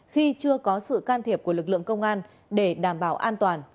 khi chưa có sự can thiệp của lực lượng công an để đảm bảo an toàn